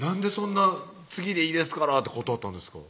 なんで「次でいいですから」って断ったんですか？